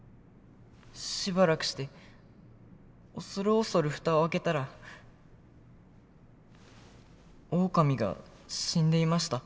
しばらくして恐る恐る蓋を開けたらオオカミが死んでいました。